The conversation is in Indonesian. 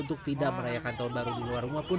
untuk tidak merayakan tahun baru di luar rumah pun